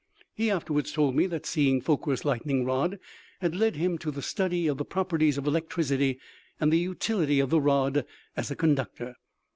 He afterwards told me that seeing For quer's lightning rod had led him to the study of the properties of electricity and the utility of the rod as a conductor.